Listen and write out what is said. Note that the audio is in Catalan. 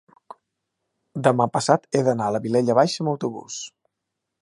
demà passat he d'anar a la Vilella Baixa amb autobús.